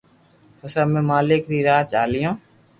پسي امي مالڪ ري راہ جالو